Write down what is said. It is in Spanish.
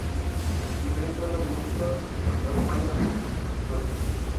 Diferentes bandas de música acompañan a los grupos escultóricos.